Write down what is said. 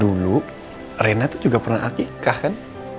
dulu reina tuh juga pernah akika kan